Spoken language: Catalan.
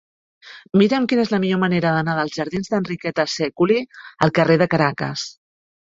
Mira'm quina és la millor manera d'anar dels jardins d'Enriqueta Sèculi al carrer de Caracas.